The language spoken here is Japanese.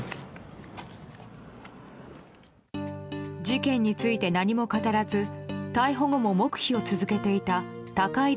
事件について何も語らず逮捕後も黙秘を続けていた高井凜